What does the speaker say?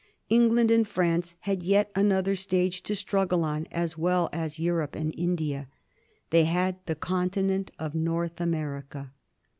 England and France had yet another stage to struggle on as well as Europe and India. They had the continent of North America.